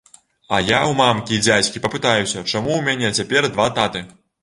А я ў мамкі і дзядзькі папытаюся, чаму ў мяне цяпер два таты?